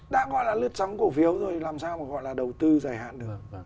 đã gọi là lướt xong cổ phiếu rồi làm sao mà gọi là đầu tư dài hạn được